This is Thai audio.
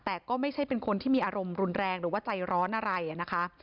แต่ก็ไม่ใช่เป็นคนที่มีอารมณ์รุนแรงหรือว่าใจร้อนอะไรนะคะ